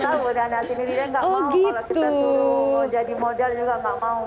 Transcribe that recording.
dan hati hati dia gak mau kalau kita dulu jadi model juga gak mau